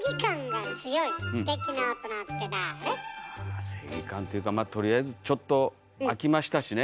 あ正義感っていうかとりあえずちょっと空きましたしね